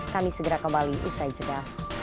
kami segera kembali usai jeda